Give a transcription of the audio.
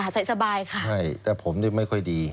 ใส่สบายค่ะใช่แต่ผมนี่ไม่ค่อยดี